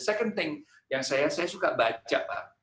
hal kedua yang saya suka baca pak